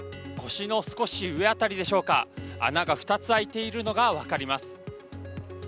腰の少し上辺りでしょうか、穴が２つ開いているのが分かります。